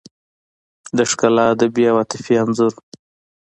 د ښکلا ادبي او عاطفي انځور